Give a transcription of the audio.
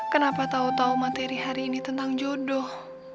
kenapa tau tau materi hari ini tentang jodoh